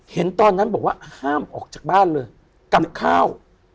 เห็นตอนนั้นบอกว่าห้ามออกจากบ้านเลยกับข้าว